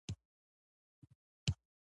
هغوی په حساس شګوفه کې پر بل باندې ژمن شول.